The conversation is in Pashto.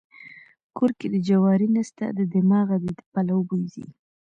کور کې دې جواري نسته د دماغه دې د پلو بوی ځي.